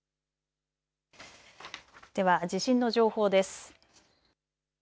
では地震の情報です。